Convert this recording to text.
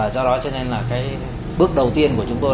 do đó bước đầu tiên của chúng tôi